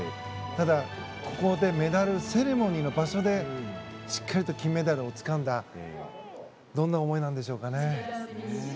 ただ、ここメダルセレモニーの場所でしっかりと金メダルをつかんだどんな思いでしょうかね。